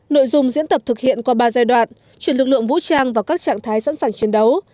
nội dung diễn tập thực hiện qua ba giai đoạn chuyển lực lượng vũ trang vào các trạng thái sẵn sàng chiến đấu